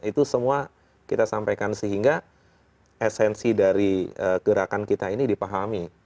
itu semua kita sampaikan sehingga esensi dari gerakan kita ini dipahami